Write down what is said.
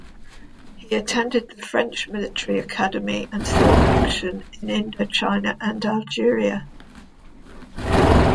He attended the French military academy and saw action in Indochina and Algeria.